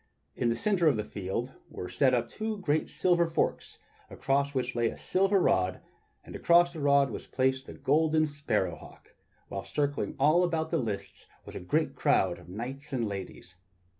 In the centre of the field were set up two silver forks across which lay a silver rod, and across the rod was placed the golden sparrow hawk, while circling all about the lists was a great crowd of knights and ladies.